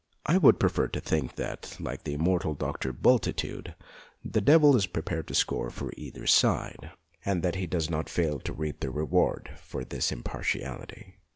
I would prefer to think that, like the immortal Dr. Bulti tude, the devil is prepared to score for either side, and that he does not fail to reap the reward of this impartiality.